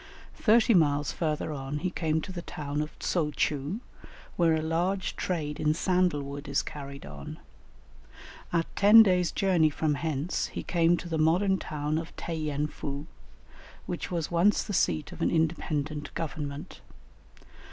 Thirty miles further on he came to the town of Tso cheu, where a large trade in sandal wood is carried on; at ten days' journey from hence he came to the modern town of Tai yen fou, which was once the seat of an independent government.